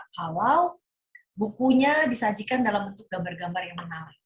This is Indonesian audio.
kalau bukunya disajikan dalam bentuk gambar gambar yang menarik